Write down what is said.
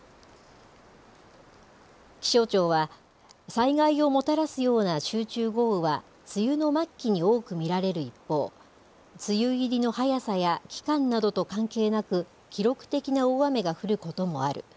気象庁は、災害をもたらすような集中豪雨は、梅雨の末期に多く見られる一方、梅雨入りの早さや期間などと関係なく、記録的な大雨が降ることもある。